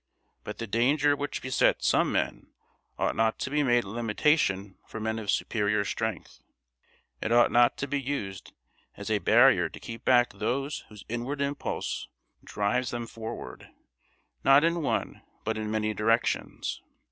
But the danger which besets some men ought not to be made a limitation for men of superior strength; it ought not to be used as a barrier to keep back those whose inward impulse drives them forward, not in one but in many directions.